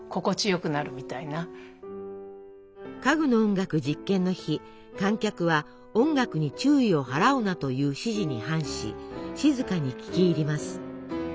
「家具の音楽」実験の日観客は「音楽に注意を払うな」という指示に反し静かに聴き入ります。